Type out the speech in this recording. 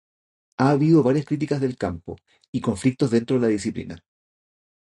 Ha habido varias críticas del campo, y conflictos dentro de la disciplina.